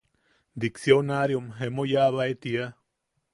Diksionaariom emo yaabae tia.